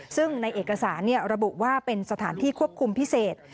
ซึ่งในเอกสารระบุว่าเป็นสถานที่ควบคุมพิเศษ